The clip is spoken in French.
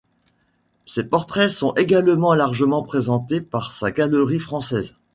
Ces portraits sont également largement présentés par sa galerie française.